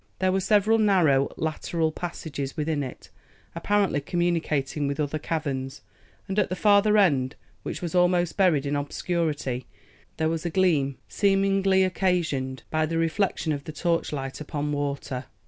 There were several narrow lateral passages within it, apparently communicating with other caverns; and at the farther end, which was almost buried in obscurity, there was a gleam seemingly occasioned by the reflection of the torchlight upon water.